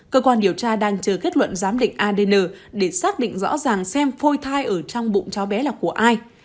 cơ quan điều tra đang chờ kết luận giám định adn để xác định rõ ràng xem phôi thai ở trong bụng cháu bé là của ai